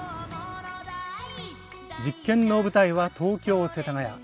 実験の舞台は東京・世田谷。